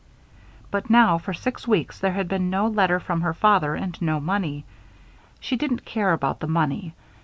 But now, for six weeks, there had been no letter from her father and no money. She didn't care about the money.